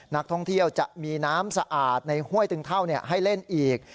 นักท่องเที่ยวจะมีน้ำสะอาดในห้วยตึงเท่าให้เล่นอีก